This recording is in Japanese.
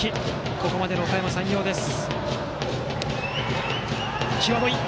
ここまでのおかやま山陽です。